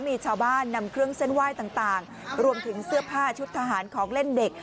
มีชาวบ้านนำเครื่องเส้นไหว้ต่างรวมถึงเสื้อผ้าชุดทหารของเล่นเด็ก